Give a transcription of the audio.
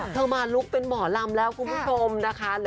เธอมาลุกเป็นหมอลำแล้วคุณผู้ชมนะคะ